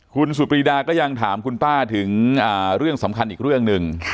คุณสุปรีดาก็ยังถามคุณป้าถึงเรื่องสำคัญอีกเรื่องหนึ่ง